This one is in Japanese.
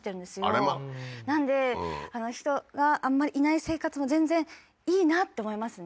あれまあなんで人があんまりいない生活も全然いいなって思いますね